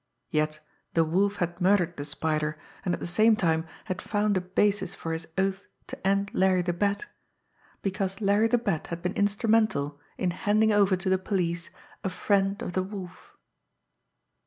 Yet the Wolf had murdered the Spider, and at the same time had found a basis for his oath to end Larry the Bat, because Larry the Bat had been instrumental in handing over to the police a friend of the Wolf!